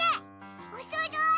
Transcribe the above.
おそろい！